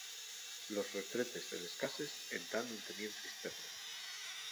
Los retretes de les cases entá nun teníen cisterna.